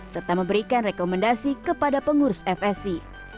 serta memberikan rekomendasi kepada pengurus fsi